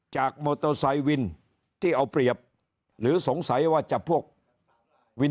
มอเตอร์ไซค์วินที่เอาเปรียบหรือสงสัยว่าจะพวกวิน